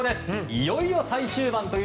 いよいよ最終盤。